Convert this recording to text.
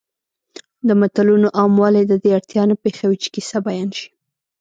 د متلونو عاموالی د دې اړتیا نه پېښوي چې کیسه بیان شي